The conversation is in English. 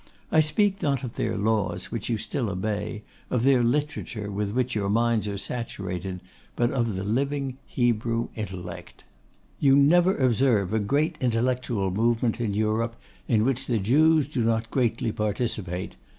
I speak not of their laws, which you still obey; of their literature, with which your minds are saturated; but of the living Hebrew intellect. 'You never observe a great intellectual movement in Europe in which the Jews do not greatly participate.